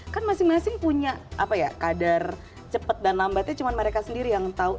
kan masing masing punya apa ya kadar cepat dan lambatnya cuma mereka sendiri yang tahu